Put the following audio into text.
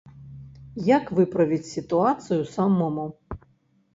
Як выправіць сітуацыю самому?